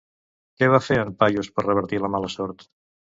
Què va fer en Paiús per revertir la mala sort?